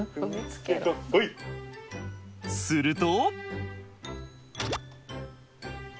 すると！